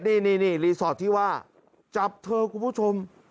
นี่รีสอร์ทที่ว่าจับเธอคุณผู้ชม